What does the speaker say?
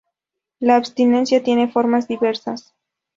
La abstinencia tiene formas diversas.